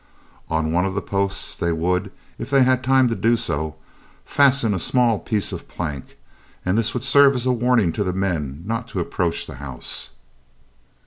On one of the posts they would, if they had time to do so, fasten a small piece of plank, and this would serve as a warning to the men not to approach the house.